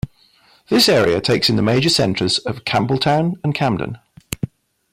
This area takes in the major centres of Campbelltown and Camden.